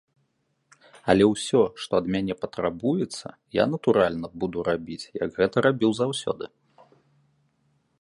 Але ўсё, што ад мяне патрабуецца, я, натуральна, буду рабіць, як гэта рабіў заўсёды.